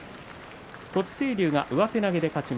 栃清龍は上手投げの勝ち。